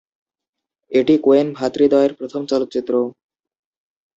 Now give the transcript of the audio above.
এটি কোয়েন ভ্রাতৃদ্বয়ের প্রথম চলচ্চিত্র।